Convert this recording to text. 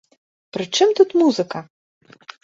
Пры чым тут музыка?